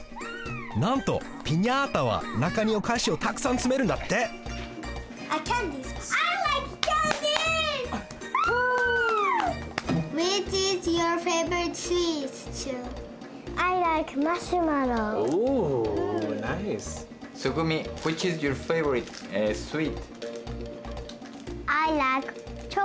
なんとピニャータはなかにおかしをたくさんつめるんだってＷｏｏｏ，ｎｉｃｅ！